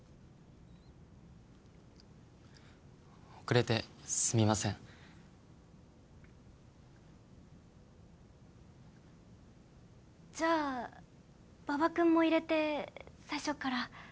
遅れてすみません・じゃあ馬場君も入れて最初から何か食べた？